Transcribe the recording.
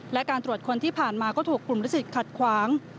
และการตรวจคนที่ผ่านมาก็ถูกกลุ่มลูกศิษย์ขัดขวาง